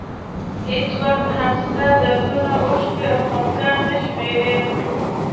هېڅوک هم ستا دردونه اوښکې او خفګان نه شمېري.